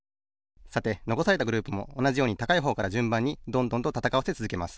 さてのこされたグループもおなじように高いほうからじゅんばんにどんどんとたたかわせつづけます。